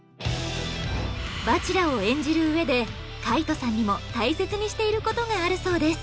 蜂楽を演じる上で海渡さんにも大切にしている事があるそうです。